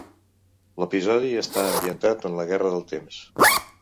L'episodi està ambientat en la guerra del temps.